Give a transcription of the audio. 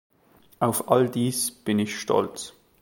Auf all dies bin ich stolz.